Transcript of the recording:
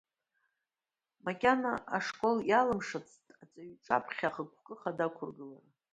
Макьана ашкол иалымшацт аҵаҩы иҿаԥхьа ахықәкы хада ақәыргылара.